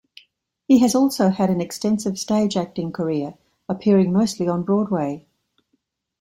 He has also had an extensive stage acting career, appearing mostly on Broadway.